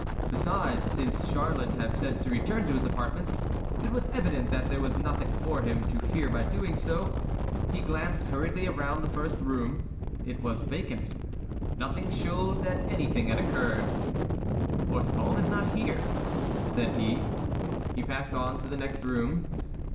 Besides, since Charlotte had said to return to his apartments, it was evident that there was nothing for him to fear by doing so. He glanced hurriedly around the first room—it was vacant. Nothing showed that anything had occurred. "Orthon is not here," said he. He passed on to the next room.